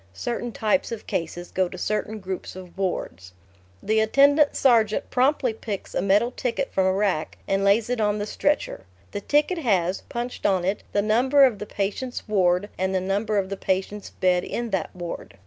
(Certain types of cases go to certain groups of wards.) The attendant sergeant promptly picks a metal ticket from a rack and lays it on the stretcher. The ticket has, punched on it, the number of the patient's ward and the number of the patient's bed in that ward.